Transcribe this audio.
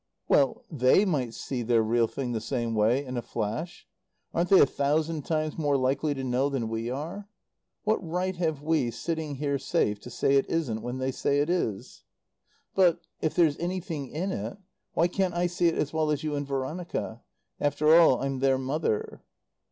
"Well, they might see their real thing the same way in a flash. Aren't they a thousand times more likely to know than we are? What right have we sitting here safe to say it isn't when they say it is?" "But if there's anything in it why can't I see it as well as you and Veronica? After all, I'm their mother."